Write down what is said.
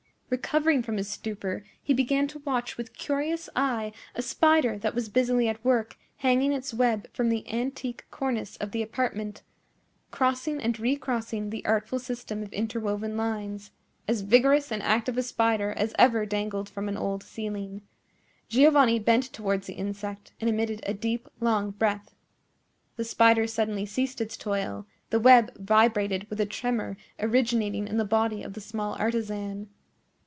Recovering from his stupor, he began to watch with curious eye a spider that was busily at work hanging its web from the antique cornice of the apartment, crossing and recrossing the artful system of interwoven lines—as vigorous and active a spider as ever dangled from an old ceiling. Giovanni bent towards the insect, and emitted a deep, long breath. The spider suddenly ceased its toil; the web vibrated with a tremor originating in the body of the small artisan.